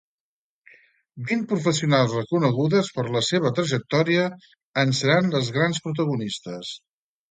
Vint professionals reconegudes per la seva trajectòria en seran les grans protagonistes.